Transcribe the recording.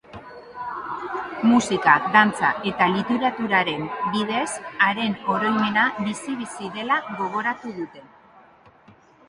Musika, dantza eta literaturaren bidez haren oroimena bizi-bizi dela gogoratu dute.